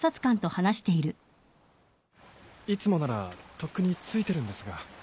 いつもならとっくに着いてるんですが。